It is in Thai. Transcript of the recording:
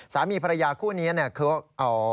สามีภรรยาคู่นี้เนี่ยเนี่ยคือเอา